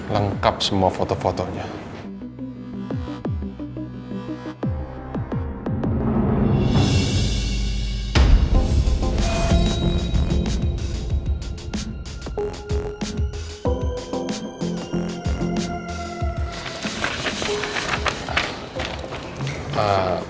lengkap semua foto fotonya